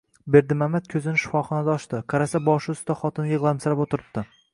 Berdimamat ko’zini shifoxonada ochdi. Qarasa, boshi ustida xotini yig’lamsirab o’tiribdi.